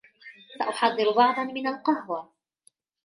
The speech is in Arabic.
سأحضّر بعضاً من القهوة